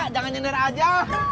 jangan nyender aja